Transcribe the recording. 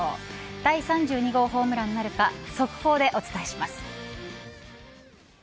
第３２号ホームランなるか速報でお伝えします。